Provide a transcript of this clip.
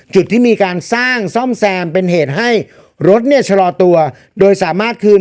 จุดที่มีการสร้างซ่อมแซมเป็นเหตุให้รถเนี่ยชะลอตัวโดยสามารถคืน